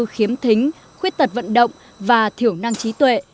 khiếm thính khuyết tật vận động và thiểu năng trí tuệ